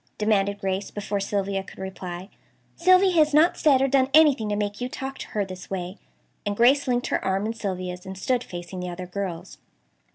demanded Grace, before Sylvia could reply. "Sylvia has not said or done anything to make you talk to her this way," and Grace linked her arm in Sylvia's, and stood facing the other girls.